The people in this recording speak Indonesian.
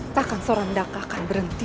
takkan seorang daka akan berhenti